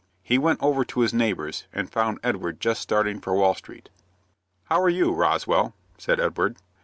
He went over to his neighbor's, and found Edward just starting for Wall Street. "How are you, Roswell?" said Edward.